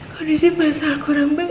kondisi masalah kurang baik